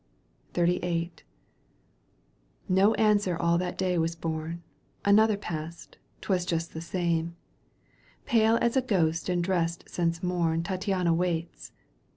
XXXVIIL No answer all that day was borne. Another passed ; 'twas just the same. Pale as a ghost cmd dressed since mom Tattiana waits.